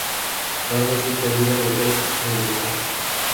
ধর্ম শিক্ষা দিবার এইটি মৌলিক রহস্য।